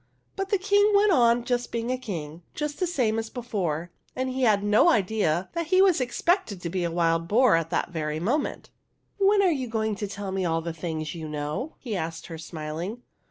But the King went on 54 THE HUNDREDTH PRINCESS being a king, just the same as before, and he had no idea that he was expected to be a wild boar at that very moment. '' When are you going to tell me all the things you know ?" he asked her, smiling.